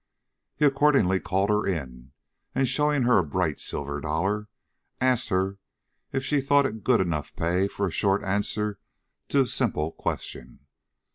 He accordingly called her in, and showing her a bright silver dollar, asked her if she thought it good enough pay for a short answer to a simple question.